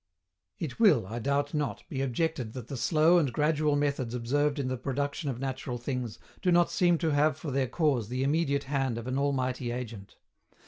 It will, I doubt not, be objected that the slow and gradual methods observed in the production of natural things do not seem to have for their cause the immediate hand of an Almighty Agent.